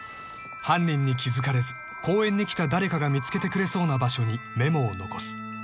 ［犯人に気付かれず公園に来た誰かが見つけてくれそうな場所にメモを残す。